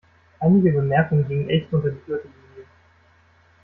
Einige Bemerkungen gingen echt unter die Gürtellinie.